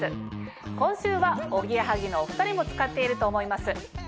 今週はおぎやはぎのお２人も使っていると思います